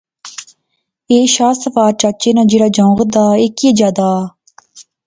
ایہہ شاہ سوار چچے ناں جہیڑا جنگت دا ایہہ کیا جا دا؟